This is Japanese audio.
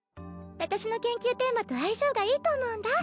私の研究テーマと相性がいいと思うんだ